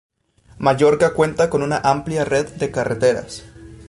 Mallorca cuenta con una amplia red de carreteras.